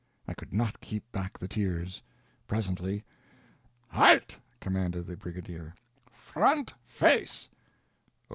I could not keep back the tears. Presently: "Halt!" commanded the Brigadier. "Front face!"